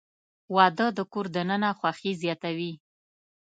• واده د کور دننه خوښي زیاتوي.